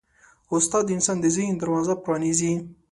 استاد د انسان د ذهن دروازه پرانیزي.